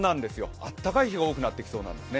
あったかい日が多くなってきそうなんですね。